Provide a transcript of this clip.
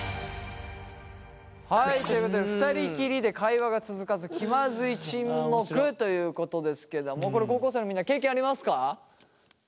はいということで２人きりで会話が続かず気まずい沈黙ということですけどもこれ高校生のみんな経験ありますか？